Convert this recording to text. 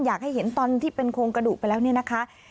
อยากให้เห็นตอนที่เป็นโครงกระดูกไปแล้วเนี่ยนะคะ